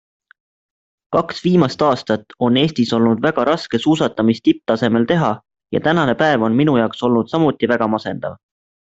Kaks viimast aastat on Eestis olnud väga raske suusatamist tipptasemel teha ja tänane päev on minu jaoks olnud samuti väga masendav.